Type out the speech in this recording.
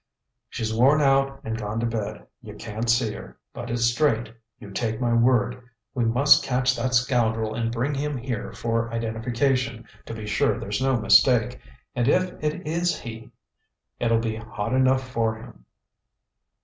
"She's worn out and gone to bed; you can't see her. But it's straight, you take my word. We must catch that scoundrel and bring him here for identification to be sure there's no mistake. And if it is he, it'll be hot enough for him."